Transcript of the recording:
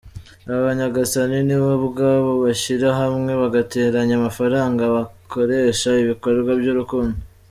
Abanyagasani nibo ubwabo bishyira hamwe bagateranya amafaranga bakoresha ibikorwa by’urukundo.